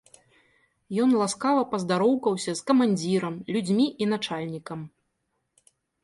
Ён ласкава паздароўкаўся з камандзірам, людзьмі і начальнікам.